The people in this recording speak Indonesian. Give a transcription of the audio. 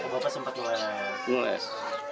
bapak sempat ngeles